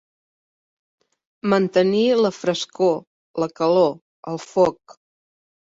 Mantenir la frescor, la calor, el foc.